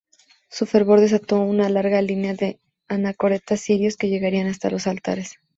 Su fervor desató una larga línea de anacoretas sirios, que llegaría hasta los altares.